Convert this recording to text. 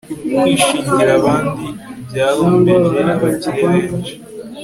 kwishingira abandi byahombeje abakire benshi